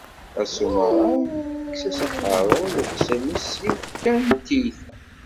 Asamuray yekkes-as aqerru i uxṣim-is s yiwet kan n tiyita.